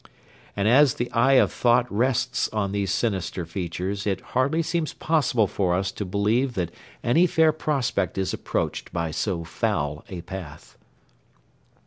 And as the eye of thought rests on these sinister features, it hardly seems possible for us to believe that any fair prospect is approached by so foul a path.